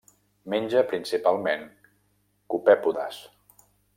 Menja principalment copèpodes.